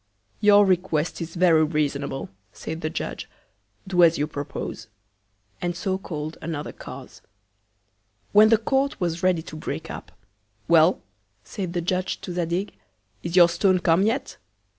Your Request is very reasonable, said the Judge. Do as you propose; and so call'd another Cause. When the Court was ready to break up, Well! said the Judge to Zadig, is your Stone come yet?